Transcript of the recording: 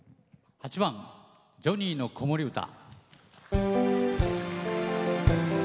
８番「ジョニーの子守唄」。